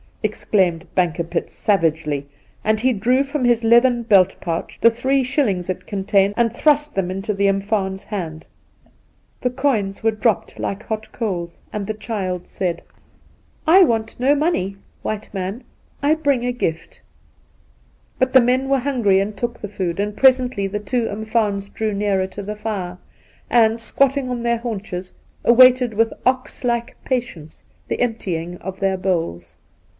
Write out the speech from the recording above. exclaimed Bankerpitt savagely; and he drew from his leathern belt pouch the three shillings it contained and thrust them into the umfaan's hand. The coins were dropped like hot coals, and the child said : 86 Induna Nairn ' I want no money, white man ; I bring a gift.' But the men were hungry and took the food ; and presently the two umfaans drew nearer to the fire, and, squatting on their haunches, awaited with ox like patience the emptying of their bowls.